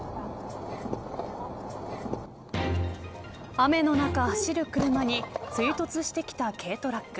雨の中、走る車に追突してきた軽トラック。